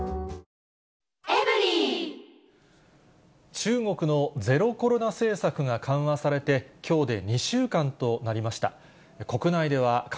中国のゼロコロナ政策が緩和されてきょうで２週間となりました。